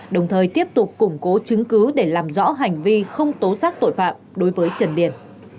đồng thời tiếp tục củng cố chứng cứ để làm rõ hành vi không tố xác tội phạm đối với trần điền